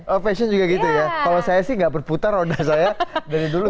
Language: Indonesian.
oh fashion juga gitu ya kalau saya sih nggak berputar roda saya dari dulu